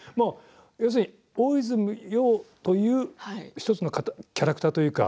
大泉洋という１つのキャラクターというか